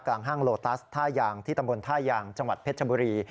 ห้างโลตัสท่ายางที่ตำบลท่ายางจังหวัดเพชรชบุรี